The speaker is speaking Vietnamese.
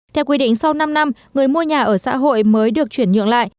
theo quy định sau năm năm người mua nhà ở xã hội mới được chuyển nhượng lại